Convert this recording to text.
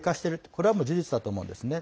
これは事実だと思うんですね。